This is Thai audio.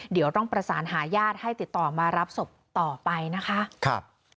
เดี๋ยวต้องประสานหาญาติให้ติดต่อมารับศพต่อไปนะคะครับ